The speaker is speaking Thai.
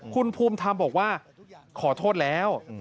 คุณภูมิธรรมบอกว่าขอโทษแล้ว